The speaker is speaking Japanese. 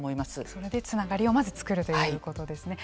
それでつながりをまずつくるということですね。